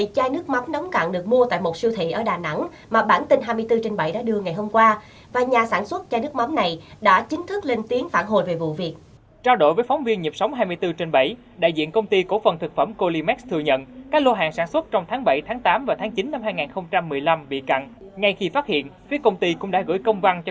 các bạn hãy đăng ký kênh để ủng hộ kênh của chúng mình nhé